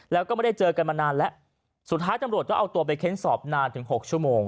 แล้วก็ไม่ได้เจอกันมานานแล้วสุดท้ายตำรวจก็เอาตัวไปเค้นสอบนานถึงหกชั่วโมง